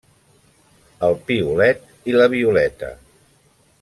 El Piolet i la Violeta.